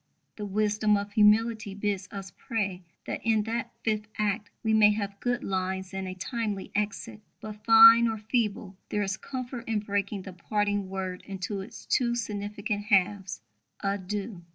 The wisdom of humility bids us pray that in that fifth act we may have good lines and a timely exit; but, fine or feeble, there is comfort in breaking the parting word into its two significant halves, a Dieu.